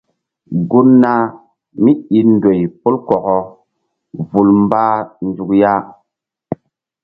Gun nah míi ndoy pol kɔkɔ vul mbah nzuk ya.